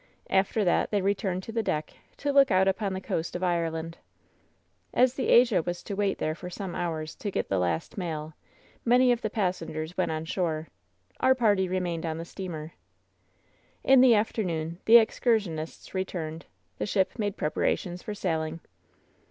After that they returned to the deck, to look out upon the coast of Ireland. As the Asia was to wait there for some hours to get the last mail, many of the passengers went on shore. Our party remained on the steamer. In the afternoon the excursionists returned. The ship made preparations for sailing.